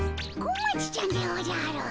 小町ちゃんでおじゃる！